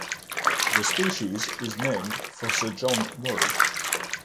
The species is named for Sir John Murray.